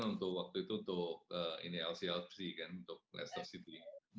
itu yang ditugaskan waktu itu untuk ini lclc kan untuk lazer city